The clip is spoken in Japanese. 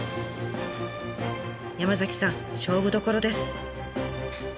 山さん勝負どころです。